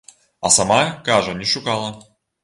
А сама, кажа, не шукала.